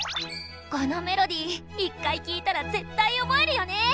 このメロディー１回聴いたら絶対覚えるよね。